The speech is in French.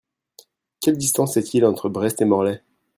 Quelle distance y a-t-il entre Brest et Morlaix ?